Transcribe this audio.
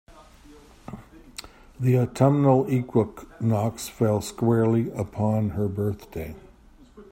The autumnal equinox fell squarely upon her birthday.